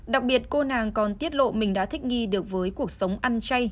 đặc biệt cô nàng còn tiết lộ mình đã thích nghi được với cuộc sống ăn chay